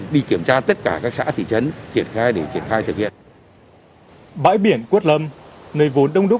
bãi biển quất lâm nơi vốn đông đúc